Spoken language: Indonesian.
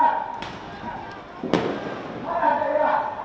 terima kasih weibrick